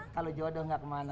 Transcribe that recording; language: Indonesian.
kalau jodoh enggak kemana